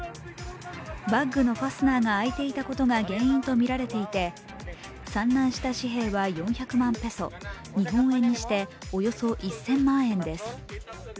バッグのファスナーが開いていたことが原因とみられていて散乱した紙幣は４００万ペソ、日本円にしておよそ１０００万円です。